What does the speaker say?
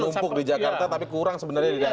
tumpuk di jakarta tapi kurang sebenarnya di daerah